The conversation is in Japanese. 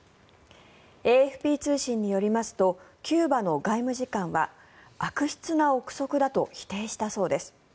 ＡＦＰ通信によりますとキューバの外務次官は悪質な臆測だと否定したそうです。